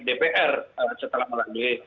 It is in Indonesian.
dpr setelah melalui